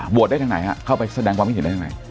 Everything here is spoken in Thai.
โหวอตได้ทางไหนครับเข้าไปแสดงความผิดได้ทางไหน